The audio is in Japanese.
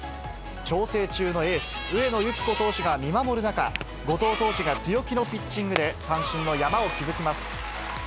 調整中のエース、上野由岐子投手が見守る中、後藤投手が強気のピッチングで、三振の山を築きます。